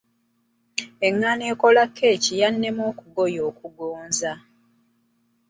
Engano ekola kkeeki yannema okugoye okugonza.